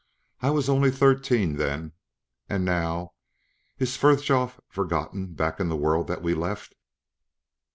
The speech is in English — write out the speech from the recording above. I was only thirteen then.... And now, is Frithjof forgotten back in that world that we left?"